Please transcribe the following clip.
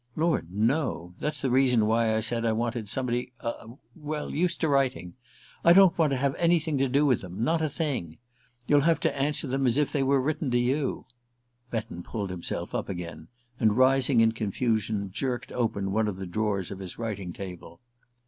"Lord, no! That's the reason why I said I wanted somebody er well used to writing. I don't want to have anything to do with them not a thing! You'll have to answer them as if they were written to you " Betton pulled himself up again, and rising in confusion jerked open one of the drawers of his writing table.